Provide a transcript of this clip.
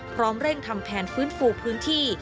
เร่งทำแผนฟื้นฟูพื้นที่